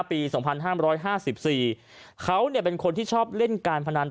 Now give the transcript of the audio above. ปีสองพันห้ามร้อยห้าสิบสี่เขาเนี่ยเป็นคนที่ชอบเล่นการพนัน